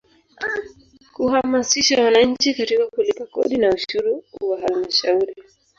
Kuhamasisha wananchi katika kulipa kodi na ushuru wa Halmashauri.